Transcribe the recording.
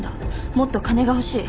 もっと金が欲しい。